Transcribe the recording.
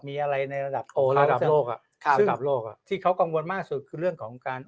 มีอะไรในระดับโอระดับโลกที่เขากังวลมากสุดคือเรื่องของการ